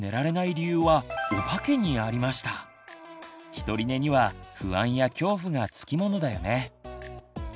ひとり寝には不安や恐怖がつきものだよね。